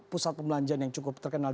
pusat perbelanjaan yang cukup terkenal